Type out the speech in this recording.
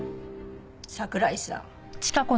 桜井さん。